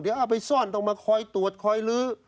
เดี๋ยวเอาไปซ่อนต้องมาคอยตรวจคอยลื้อ